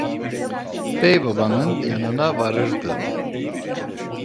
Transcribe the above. Beybabanın yanına varırdı.